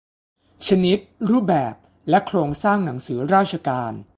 ชนิด รูปแบบ และโครงสร้างหนังสือราชการ